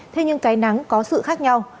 thế nhưng cái nắng có sự khác nhau